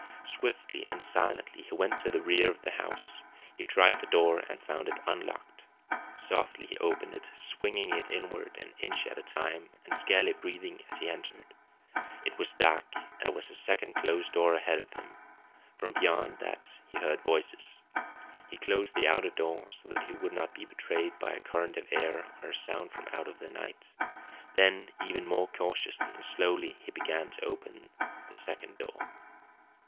Swiftly and silently he went to the rear of the house. He tried the door and found it unlocked. Softly he opened it, swinging it inward an inch at a time, and scarcely breathing as he entered. It was dark, and there was a second closed door ahead of him. From beyond that he heard voices. He closed the outer door so that he would not be betrayed by a current of air or a sound from out of the night. Then, even more cautiously and slowly, he began to open the second door.